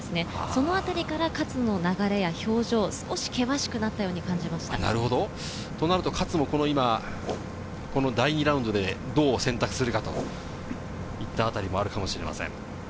そのあたりから勝の流れや表情、少し険しくなったように感じまし勝も今、第２ラウンドでどう選択するか、といったあたりもあるかもしれません。